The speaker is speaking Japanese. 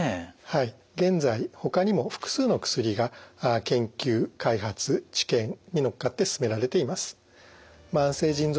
現在ほかにも複数の薬が研究開発治験に乗っかって進められています。